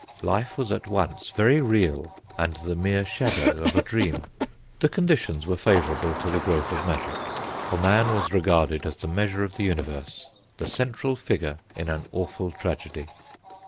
Life was at once very real and the mere shadow of a dream. The conditions were favourable to the growth of magic; for man was regarded as the measure of the universe, the central figure in an awful tragedy.